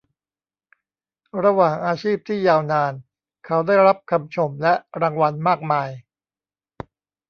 ระหว่างอาชีพที่ยาวนานเขาได้รับคำชมและรางวัลมากมาย